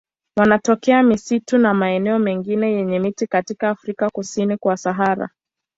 Wanatokea misitu na maeneo mengine yenye miti katika Afrika kusini kwa Sahara.